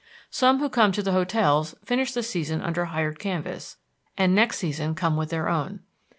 Some who come to the hotels finish the season under hired canvas, and next season come with their own.